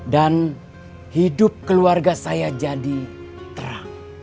dan hidup keluarga saya jadi terang